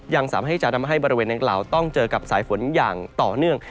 ยังสามารถที่จะทำให้บริเวณดังกล่าวต้องเจอกับสายฝนอย่างต่อเนื่อง